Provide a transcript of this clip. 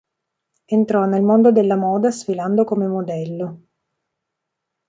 Entrò nel mondo della moda sfilando come modello.